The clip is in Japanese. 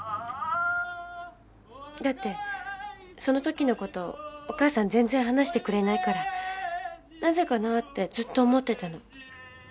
だってその時の事お母さん全然話してくれないから何故かなってずっと思ってたの。